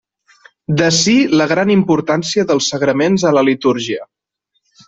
D'ací la gran importància dels sagraments a la litúrgia.